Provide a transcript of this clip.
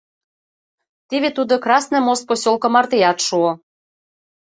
Теве тудо Красный Мост посёлко мартеат шуо.